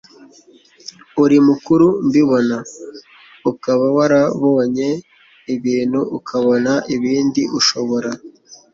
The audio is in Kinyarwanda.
uri mukuru mbibona, ukaba warabonye ibintu ukabona ibindi, ushobora